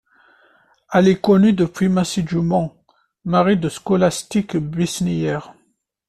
Elle est connue depuis Macé du Mans, mari de Scholastique Besnier.